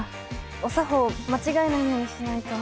お作法間違えないようにしないと。